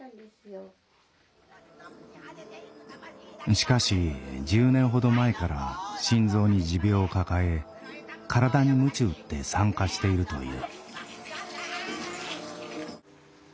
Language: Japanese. しかし１０年ほど前から心臓に持病を抱え体にむち打って参加しているという。